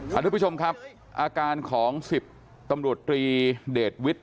ทุกผู้ชมครับอาการของ๑๐ตำรวจตรีเดชวิทย์